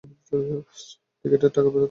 টিকেটের টাকা ফেরত চাই।